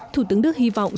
thủ tướng đức hy vọng